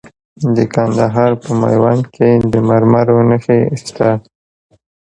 د کندهار په میوند کې د مرمرو نښې شته.